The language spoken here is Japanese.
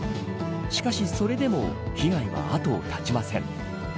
しかしそれでも被害は後を絶ちません。